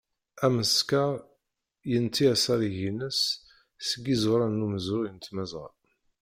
Ameskar yenti asarig-ines seg iẓuran n umezruy n tmazɣa.